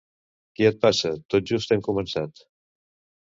Què et passa, tot just hem començat.